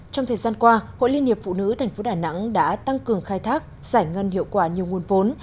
trong thời gian qua hội liên hiệp phụ nữ tp đà nẵng đã tăng cường khai thác giải ngân hiệu quả nhiều nguồn vốn